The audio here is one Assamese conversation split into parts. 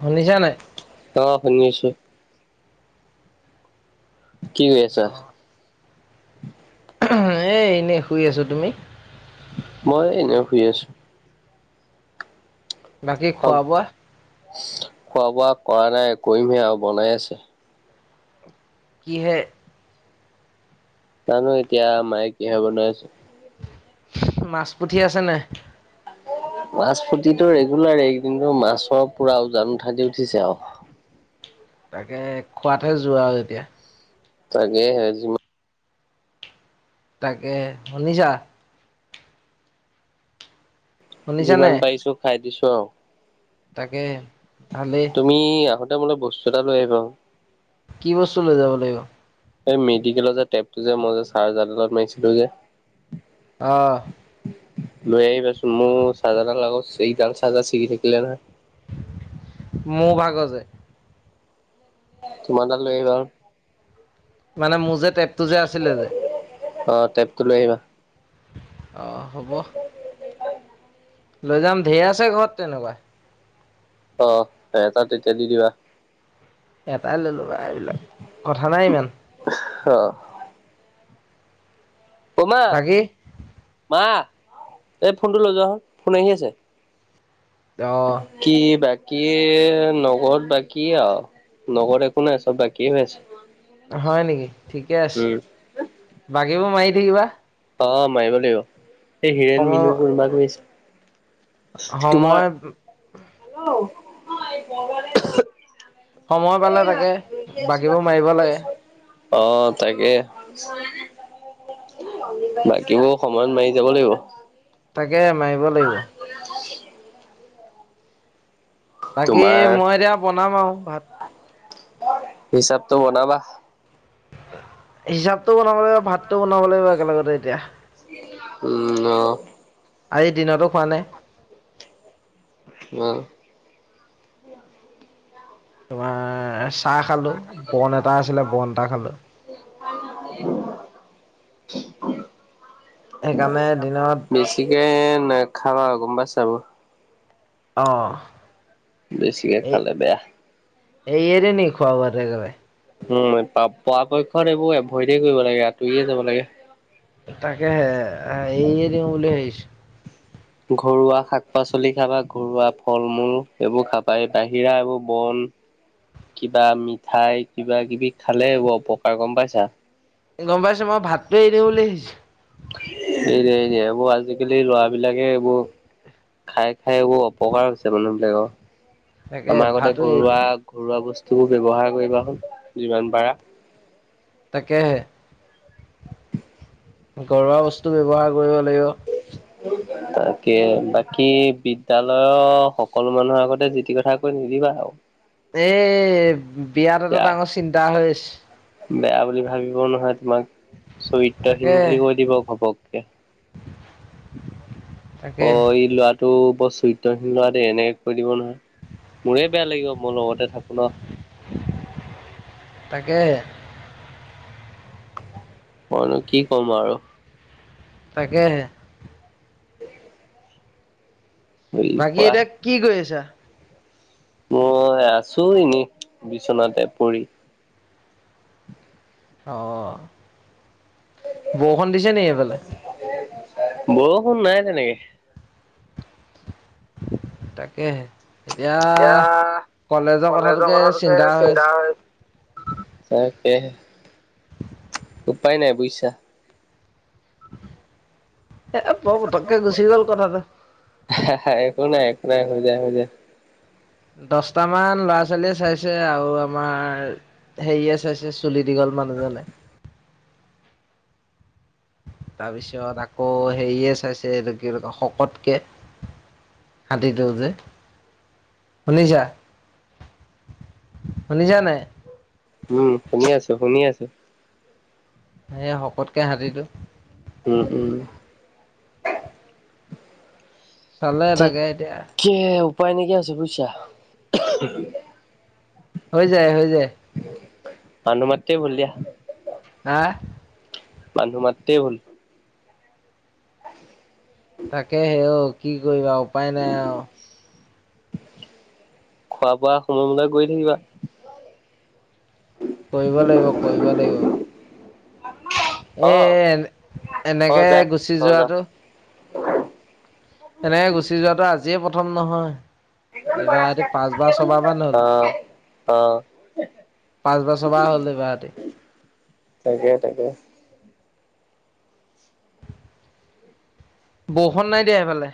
শুনিছা নাই। অ', শুনি আছো কি কৰি আছা। এই এনেই শুই আছোঁ তুমি মই এনে শুই আছোঁ। বাকী খোৱা বোৱা? খোৱা বোৱা কৰা নাই কৰিমহে আৰু বনাই আছে কিহে। জানো এতিয়া মায়ে কিহে বনাই আছে। মাছ পুঠি আছেনাই মাছ ফুতিটো ৰেগুলাৰ এইকদিনতো মাছৰ পুৰা উজান উঠাদি উঠিছে আৰু তাকে খোৱাতহে যোৱা আৰু এতিয়া তাকেহে আজি মই তাকেহে শুনিছা শুনিছা যিমান পাৰিছো খাই দিছোঁ আৰু তাকেহে ভালেই তুমি আহোতে মোলে বস্তু এটা লৈ আহিবা চোন। কি বস্তু লৈ যাব লাগিব। এই মেডিকেলৰ যে টেপটো যে মই যে চাৰজাডালত মাৰিছিলো যে অহ লৈ আহিবা চোন মোৰ চাৰজাডাল চি টাইপ চাৰজাডাল ছিগি থাকিলে নহয় মোৰ ভাগৰ যে তোমাৰ দাল লৈ আহিবা চোন মানে মোৰ যে টেপটো যে আছিলে যে অ টেপটো লৈ আহিবা। অঁ হ'ব। লৈ যাম ঢেৰ আছে ঘৰত তেনেকুৱা। অ এটা তেতিয়া দি দিবা এটাই ল'লো বা এইবিলাক কথা নাই ইমান অহঁ বমা বাকী মা এই ফোনটো লৈ যোৱা চোন ফোন আহি আছে। অ' কি বা বাকী নগৰত বাকী আৰু নগৰত একো নাই চব বাকী হৈ আছে হয় নেকি ঠিকে আছে উম বাকীবোৰ মাৰি থাকিবা অ মাৰিব লাগিব। এই হীৰেণ সময় মিনু কুৰৰ্মা কৰিছো তোমাৰ সময় হেল্ল' সময় পালে তাকে বাকীবোৰ মাৰিব লাগে। অ তাকে বাকীবোৰ সময়ত মাৰি যাব লাগিব। তাকে মাৰিব লাগিব। বাকী তোমাৰ মই এতিয়া বনাম আৰু ভাত। হিচাপটো বনাবা। হিচাপটো বনাব লাগিব ভাতটো বনাব লাগিব একেলগতে এতিয়া। উ ন আজি দিনতো খোৱা নাই। অ তোমাৰ চাহ [inaudible] খালো বন এটা আছিলে বন এটা খালো সেইকাৰণে দিনত বেছিকে ন খাবা গম পাইছা এইবোৰ অ বেছিকে এই খালে বেয়া এইৰে দিও নি খোৱা বোৱাত [unintelligible] উম পৰাপক্ষত এইবোৰ এভইডে কৰিব লাগে আঁতৰিয়ে যাব লাগে। তাকে হে এই এৰিয়ে দিও ভাবিছো। ঘৰুৱা শাক পাচলি খাবা ঘৰুৱা ফল মূল এইবোৰ খাবা এই বাহিৰা এইবোৰ বন কিবা মিঠাই কিবা কিবি খালে ব অপকাৰ গম পাইছা। গম পাইছো মই ভাতটো এৰি দিও বুলি ভাবিছো। এনে এনে এইবোৰ আজিকালি লৰা বিলাকে এইবোৰ। খাই খাই এইবোৰ অপকাৰ হৈছে তাকে মানুহবিলাকৰ। আমাৰ আগতে ভাতো এৰি ঘৰুৱা দিওঁ ঘৰুৱা বস্তু। তবোৰ ব্যৱহাৰ কৰিবা চুন যিমান পাৰা তাকেহে [inaudible] ঘৰুৱা বস্তু ব্যৱহাৰ কৰিব লাগিব। তাকে বাকী বিদ্যালয়ৰ সকলো মানুহৰ আগতে যি টি কথা কৈ শুনিবা আৰু এ বিয়াত এটা বেয়া ডাঙৰ চিন্তা হৈ আছে। বেয়া বুলি ভাবিবও নহয় তোমাক চৰিত্ৰহীন তাকে বুলি কৈ দিব ঘপককে তাকে প এই লৰাটো চৰিত্ৰহীন লৰা দেই এনেকে কৈ দিব নহয় মোৰে বেয়া লাগিব মোৰ লগতে থাকো ন। তাকে মইনো কি ক'ম আৰু। তাকেহে বুলি বাকী কোৱা এতিয়া কি কৰি আছা? মই আছো এনেই বিচনাতে পৰি। আহ বৰখুন দিছে নি এইফালে বৰষুণ নাই তেনেকে। তাকে এতিয়া কলেজৰ কথাটোকে চিন্তা হৈ তাকে উপায় নাই বুজিছা। এ প পতককে গুচি গ'ল কথাটো। শ নাই একো নাই হৈ যায় হৈ যায়। দছটামান ল'ৰা ছোৱালীয়ে চাইছে আৰু আমাৰ হেৰিয়ে চাইছে চুলি দীঘল। মানুহ জনে তাৰপিছত আকৌ হেৰিয়ে চাইছে এই কি শকতকে হাতী টো যে শুনিছা শুনিছা নাই। উম শুনি আছো শুনি আছো সে শপত উম উম চালে তাকে এতিয়া উপ উপাই নাই কিয়া হৈছে বুইচা। হৈ যায় হৈ যায়। মানুহ মােতে ভুল দিয়া। আহ মানুহ মােতে ভুল। তাকে সেও কি কৰিবা উপায় নাই আৰু খোৱা বোৱা সময়মতে কৈ থাকিবা। কৰিব লাগিব কৰিব লাগিব। এ অ এ অ এনেকে যায় গুচি অ যাম যোৱাতটো এনেকে গুচি যোৱাতটো আজিয়ে প্ৰথম নহয় এইবাৰ সতি পাঁচবাৰ ছবাহ মান হ'ল অ', অ', পাঁচ বছৰ বা হ'ল এবা হতি তাকে তাকে বৰষুণ নাই দিয়া সেইফালে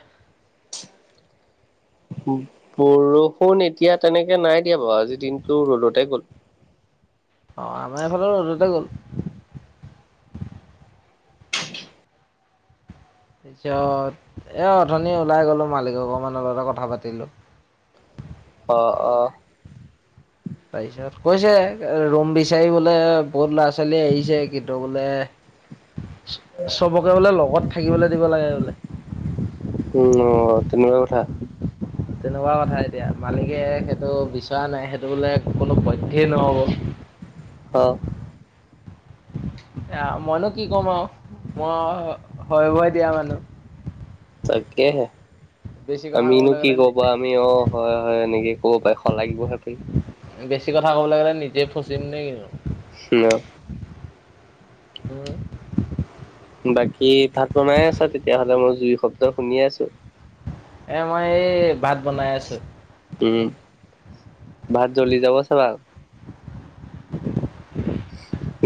বৰষুণ এতিয়া তেনেকে নাই দিয়া বাৰু আজি দিনতটো ৰ'দতে গ'ল অ আমাৰ এইফালে ৰ'দতে গ'ল তাৰপিছত এ অঠনি ওলাই গলো মালিক ঘৰ মানুহৰ লগতে অকমানৰ কথা পাতিলো [inaudible] অঁ অ পাৰিছত কৈছে ৰুম বিচাৰি বহুত ল'ৰা ছোৱালী আহিছে কিন্তু বোলে চবকে বোলে লগত থাকিবলৈ দিব লাগে বোলে। উ তেনেকুৱা কথা তেনেকুৱা কথা এতিয়া মালিকে টো বিচৰা নাই সেইটো বোলে কোনো পইধেই নহব। অ আহ মইনো কি কম আৰু মই হয় ভয় দিয়া মানুহ। তাকেহে বেছি কথা আমিনো ক'বলৈ কি গ'লে কবা আমি অ হয় হয় এনেকে ক'ব পাই হলাগিব সেই বেছি কথা ক'বলৈ গ'লে নিজে ফচিম নে কি নো সি অ হে [unintelligible] বাকী ভাত বনাই আছা তেতিয়াহ'লে মই জুই শব্দ শুনি আছো। এ মই এই ভাত বনাই আছো। উম ভাত জলি যাব চাবা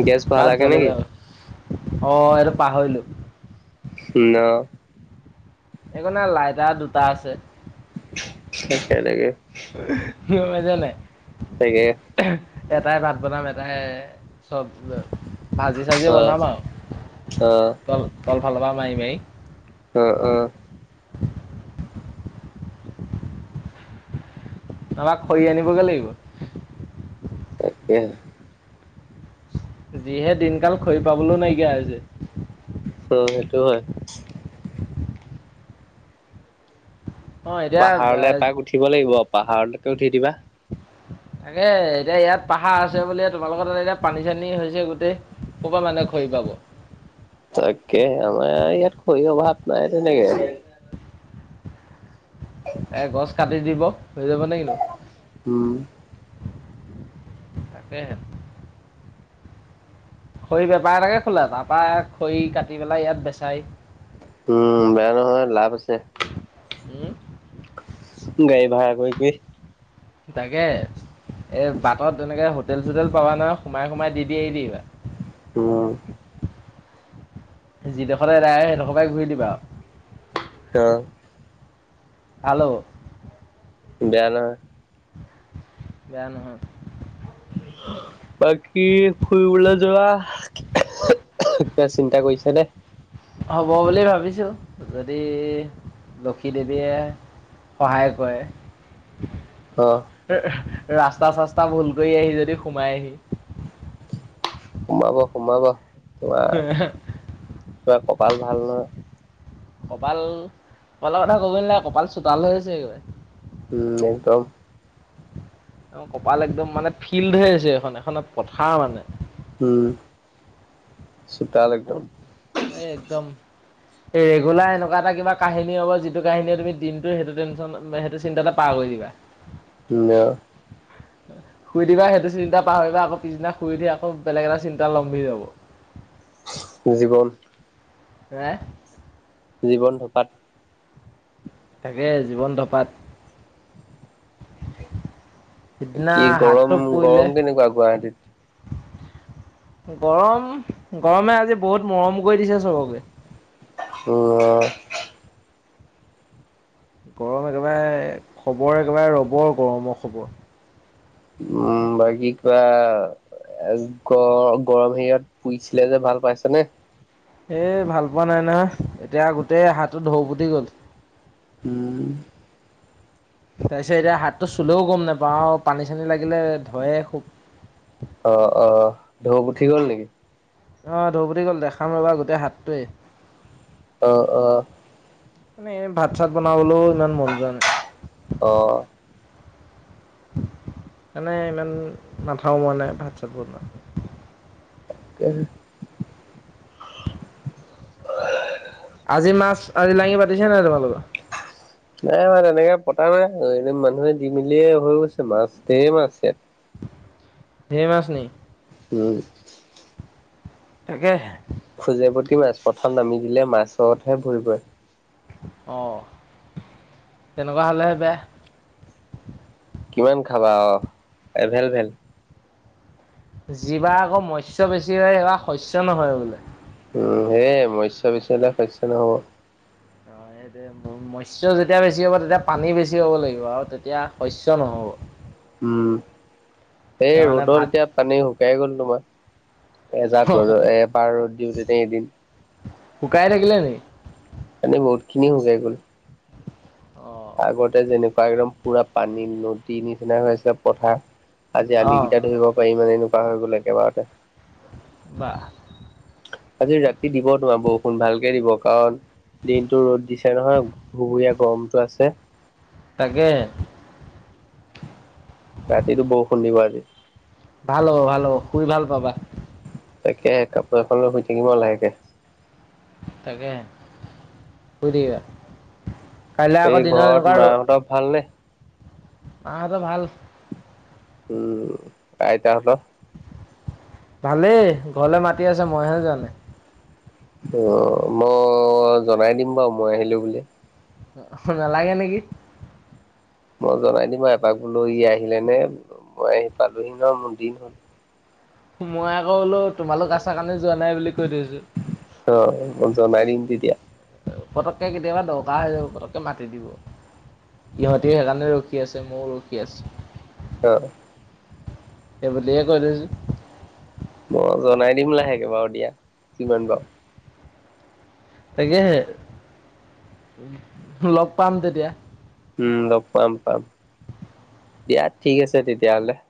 গেছ ভাত ভৰালাগে জলি নেকি? যাব অ এটো পাহৰিলো। ন এই নে লাইটা দুটা আছে। সেনেকে নাই তাকে এটাই ভাত বনাম এটাই এ চব ভাজি চাজি অ', বনাম আৰু অ', ত তল ফালৰ পৰা মাৰি মাৰি। অ', অ', আমাক খৰি আনিবগে লাগিব। এ যিহে দিনকাল খৰি পাবলৈও নাইকিয়া হৈ ছে অ সেইটো হয় অ এতিয়া পাহাৰলৈ এপাক উঠিব লাগিব পাহাৰলৈকে উঠি দিবা তাকে এতিয়া ইয়াত পাহাৰ আছে বুলিয়ে তোমালোকৰ তাত এতিয়া পানী চানী হৈছে গোটেই ক'ৰব মানে খৰি পাব। তাকে আমাৰ ইয়াত খৰী অভাৱ নাই তেনেকে এ গছ কাটি দিব হৈ যাব নে কিনো। উম তাকেহে। খৰি বেপাৰ এটাকে খোলা তাৰ পৰা খৰি কাটি পেলাই ইয়াত বেচাই উম বেয়া নহয় লাভ আছে উম গাড়ী ভাড়া কৰি কৰি তাকে এ বাটত এনেকে হোটেল চোটেল পাৱা নহয় সোমাই সোমাই। দ দাই দিব। উম যিডখৰতে এদাই সেইডোখৰ পৰাই ঘূৰি দিবা আৰু অ ভাল হব বেয়া নহয়। বেয়া নহয় বাকী ফুৰিবলৈ যোৱা। কিবা চিন্তা কৰিছা নে? হ'ব বুলি ভাবিছো যদি লক্ষী দেৱীয়ে। সহায় কৰে। অ', ৰাস্তা চাস্তা ভুল কৰি আহি যদি সোমাই আহি সোমাব সোমাব তোমাৰ তোমাৰ কপাল ভাল নহ কপাল কপালৰ কথা কবই নালাগে কপাল চোতাল হৈছে একেবাৰে উম একদম। অ কপাল একদম মানে ফিল্ড হৈ আছে এইখন এখনত পথাৰ মানে। হুম বহুত এই একদম। এই ৰেগুলাৰ এনেকুৱা এটা কিবা কাহিনী হ'ব যিটো কাহিনীয়ে তুমি দিনটো সেইটো টেনশন সেইটো চিন্তাটে পাৰ কৰি দিবা ন উ শুই দিবা সেইটো চিন্তা পাহৰিবা আকৌ পিছদিনা শুই দি আকৌ বেলেগ এটা চিন্তা লমভি যাব। জীৱন। [unintelligible] জীৱন থকাত তাকে জীৱন ধপাত। সিদিনা কি গৰম হাতটো পুৰিলে। গৰম কেনেকুৱা গুৱাহাটীত? গৰম গৰমে আজি বহুত মৰম কৰি দিছে চবকে। উম অ গৰম একেবাৰে খবৰ একেবাৰে ৰবৰ গৰমৰ খবৰ। উম বাকি কোৱা। এ গৰ গৰম হেৰিত পুইছিলে যে ভাল পাইছা নে? এ ভাল পোৱা নাই নহয়, এতিয়া গোটেই হাতটো ঢৌ ফুতি গ'ল। উম। তাৰ পিছত এতিয়া হাতটো চুলেও গম নাপাওঁ আৰু পানী চানী লাগি। লাগিলে ধয়ে খুব। ঠিক হ'ল নেকি? আহ ধৌফুতি গ'ল দেখাম ৰবা গোটেই হাতটোৱে। অ অ। মানে ভাত চাত বনাবলৈও ইমান মন যোৱা নাই। অ মানে ইমান নাথাওঁ মই নাই ভাত চাত বনোৱাত। [unintelligible] [unintelligible] আজি মাছ, আজি লাঙি পাতিছে নাই তোমালোকৰ? নাই মানে এনেকে পতা নাই এনে মানুহে দি মেলিয়ে হৈ গৈছে মাছ ধেৰ মাছ ইয়াত। ধেৰ মাছ নি? উম। তাকে। খোজে প্ৰতি মাছ প্ৰথম নামি দিলে মাছতহে ভৰিবই। অ, তেনেকুৱা হ'লে হে বে কিমান খাবা অ এভেল ভেল। যিবাৰ আকৌ মৎস্য বেছি হয়, এইবাৰ শস্য নহয় বোলে। উম সেয়ে মৎস্য বেছি হ'লে, শস্য নহ'ব। অ' মৎস্য যেতিয়া বেছি হ'ব, তেতিয়া পানী বেছি হ'ব লাগিব আৰু তেতিয়া শস্য নহ'ব। উম, এতিয়া এই মানে ৰ'দত ভাত এতিয়া পানী শুকাই গ'ল তোমাৰ। এজাৰ গৰ এবাৰ দিওঁতেতে এদিন শুকাই থাকিলে নেকি? পানী বহুত খিনি শুকাই গ'ল। অ' আগতে যেনেকুৱা একদম পুৰা পানী নদী নিচিনা হৈ আছিল পথাৰ আজি আলি অ' কেইটা ধৰিব পাৰি ই মানে এনেকুৱা হৈ গ'ল একেবাৰতে। বাহ। আজি ৰাতি দিব নোৱাৰো বৰষুণ ভালকে দিব কাৰণ দিনটো ৰ'দ দিছে নহয়, বুবুৰীয়া গৰমটো আছে। তাকে। ৰাতিটো বৰষুণ দিব আজি। ভাল হ'ব ভাল হ'ব শুই ভাল পাবা। তাকে কাপোৰ এখনো শুই থাকিব লাহেকে। তাকেহে, শুই থাকিবা। কাইলে এই আকৌ দিনত ঘৰত এনেকুৱা ৰ'দ মাহঁতৰ ভালনে? মাহতৰ ভাল। উম আইতাহঁতৰ? ভালেই ঘৰলে মাতি আছে মইহে যোৱা নাই। অ মই জনাই দিম বাৰু মই আহিলো বুলি। নালাগে নেকি? মই জনাই দিম ম এপাক বোলো ই আহিলে নে? মই আহি পালোহি ন মোৰ দিন হ'ল। মই আকৌ বোলো তোমালোক আচা কাৰণে যোৱা নাই বুলি কৈ থৈছো। অ মই জনাই দিম তেতিয়া। পতককে কেতিয়াবা দৰকাৰ হৈ যাব, পতককে মাতি দিব। ইহঁতিও সেইকাৰণে ৰখি আছে, মইও ৰখি আছো। অ। এবৰিয়ে কৈদে দেচোন। মই জনাই দিম লাহেকে বাৰু দিয়া কিমান বাৰু। তাকেহে, লগ পাম তেতিয়া। উম লগ পাম পাম, দিয়া ঠিক আছে তেতিয়াহলে।